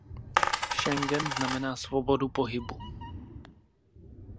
Schengen znamená svobodu pohybu.